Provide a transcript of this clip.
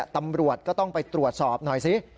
ตำรวจก็ต้องไปตรวจสอบหน่อยสิ